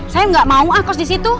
saya gak mau ah kos disitu